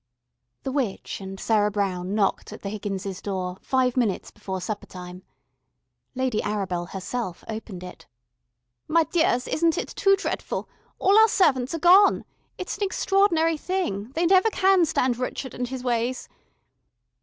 The witch and Sarah Brown knocked at the Higgins' door five minutes before supper time. Lady Arabel herself opened it. "My dears, isn't it too dretful. All our servants are gone. It's an extraordinary thing, they never can stand Rrchud and his ways."